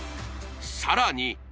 さらに！